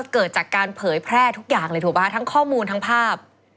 เกิดจากการเผยแพร่ทุกอย่างเลยถูกป่ะทั้งข้อมูลทั้งภาพ